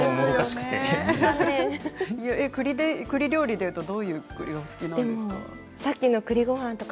くり料理でいうとどういう料理が好きですか？